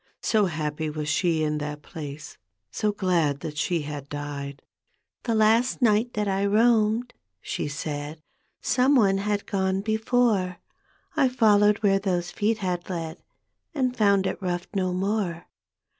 So happy was she in that place, So ^ad that she had died. " The last night that I roamed," she said, " Some one had gone before. I followed where those feet had led, And found it rough no more.